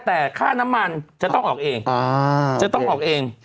แต่ค่าน้ำมันจะต้องออกเอง